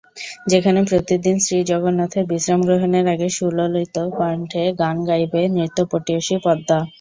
যেখানে প্রতিদিন শ্রীজগন্নাথের বিশ্রাম গ্রহণের আগে সুললিত কণ্ঠে গান গাইবে নৃত্যপটীয়সী পদ্মা।